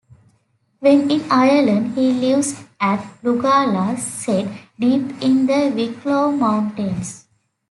When in Ireland, he lives at Luggala set deep in the Wicklow Mountains.